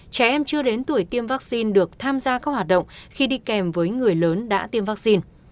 trẻ em chưa đến tuổi tiêm vaccine được tham gia các hoạt động khi đi kèm với người lớn đã tiêm vaccine